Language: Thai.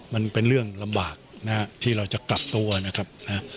มันเป็นเรื่องลำบากนะฮะที่เราจะกลับตัวนะครับนะฮะ